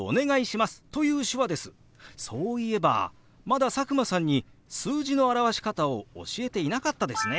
そういえばまだ佐久間さんに数字の表し方を教えていなかったですね。